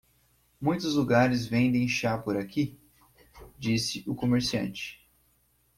"Muitos lugares vendem chá por aqui?", disse o comerciante.